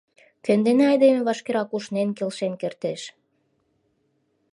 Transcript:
Кӧн дене айдеме вашкерак ушнен, келшен кертеш?